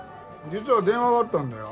実は電話があったんだよ